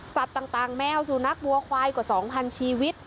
สัตว์ต่างแมวสูนักบัวควายกว่า๒๐๐๐ชีวิต